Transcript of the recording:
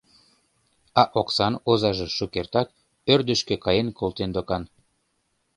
А оксан озаже шукертак ӧрдыжкӧ каен колтен докан.